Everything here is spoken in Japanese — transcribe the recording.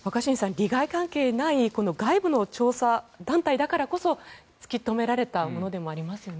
利害関係のない外部の調査団体だからこそ突き止められたものでもありますね。